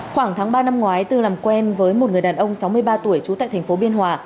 khoảng tháng ba năm ngoái tư làm quen với một người đàn ông sáu mươi ba tuổi chú tại tp biên hòa